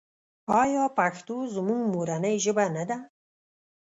آیا پښتو زموږ مورنۍ ژبه نه ده؟